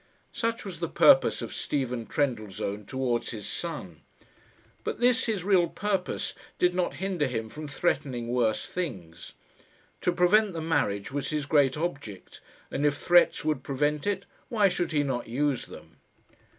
Such was the purpose of Stephen Trendellsohn towards his son; but this, his real purpose, did not hinder him from threatening worse things. To prevent the marriage was his great object; and if threats would prevent it, why should he not use them?